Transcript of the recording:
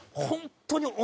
本当に。